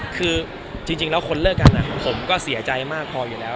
คือจริงแล้วคนเลิกกันผมก็เสียใจมากพออยู่แล้ว